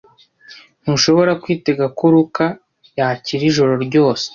Ntushobora kwitega ko Luka yakira ijoro ryose.